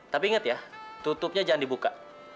tapi ingat ya tutupnya jangan dibuka